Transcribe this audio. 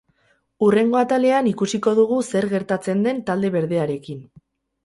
Hurrengo atalean ikusiko dugu zer gertatzen den talde berdearekin.